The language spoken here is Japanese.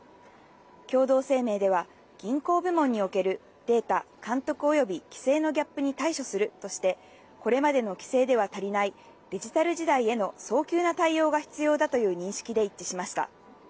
共同声明では、銀行部門におけるデータ、監督および規制のギャップに対処するとして、これまでの規制では足りない、デジタル時代への早急な対応が必要だという認識で一致しました。